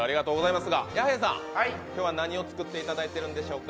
ですが、弥平さん、今日は何を作っていただいているんでしょうか。